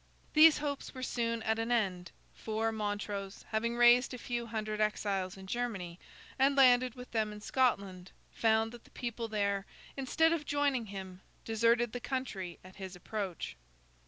These hopes were soon at an end; for, Montrose, having raised a few hundred exiles in Germany, and landed with them in Scotland, found that the people there, instead of joining him, deserted the country at his approach.